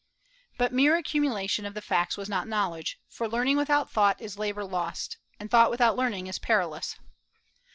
But mere accumulation of facts was not knowledge, for "learning without thought is labor lost; and thought without learning is perilous."